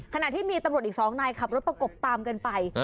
ขณะที่มีตำรวจอีก๒นายขับรถประกบตามกันไป